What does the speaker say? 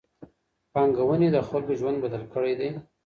پانګونې د خلګو ژوند بدل کړی دی.